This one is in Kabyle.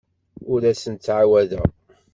Ur asen-ttɛawadeɣ.